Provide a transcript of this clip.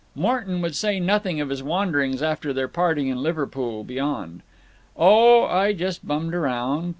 Morton would say nothing of his wanderings after their parting in Liverpool beyond: "Oh, I just bummed around.